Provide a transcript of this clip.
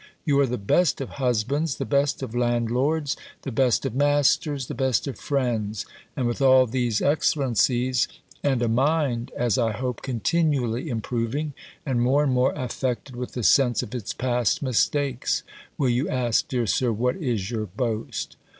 "You are the best of husbands, the best of landlords, the best of masters, the best of friends; and, with all these excellencies, and a mind, as I hope, continually improving, and more and more affected with the sense of its past mistakes, will you ask, dear Sir, what is your boast?